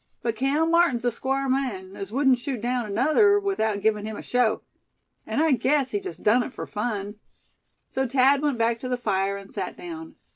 But Cale Martin's a squar man, as wudn't shoot daown another without givin' him a show. An' I guess he jest done it fur fun." So Thad went back to the fire, and sat down.